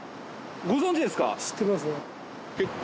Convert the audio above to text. ご存じですか？